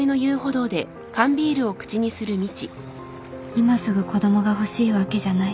今すぐ子供が欲しいわけじゃない